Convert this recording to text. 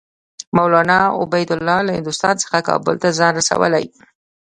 مولنا عبیدالله له هندوستان څخه کابل ته ځان رسولی.